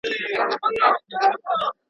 لیکل تر اورېدلو د جملو په اصلاح کي مهم رول لري.